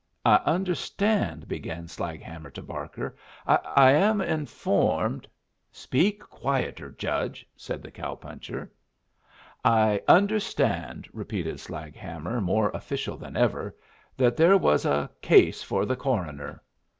"I understand," began Slaghammer to Barker "I am informed " "Speak quieter, Judge," said the cow puncher. "I understand," repeated Slaghammer, more official than ever, "that there was a case for the coroner."